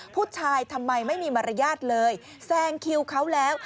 ทำไมไม่มีมารยาทเลยแซงคิวเขาแล้ว